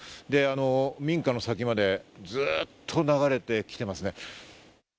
民家の先までずっと流れてきていますね。